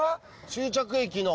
終着駅の。